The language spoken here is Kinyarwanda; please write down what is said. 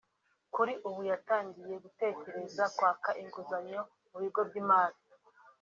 kuri ubu yatangiye gutekereza kwaka inguzanyo mu bigo by’imari